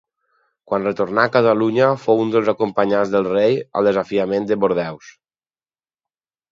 Quan retornà a Catalunya fou un dels acompanyants del rei al desafiament de Bordeus.